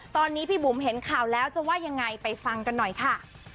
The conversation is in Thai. ตอนนี้พี่บุ๋มเห็นข่าวแล้วจะว่ายังไงไปฟังกันหน่อยค่ะ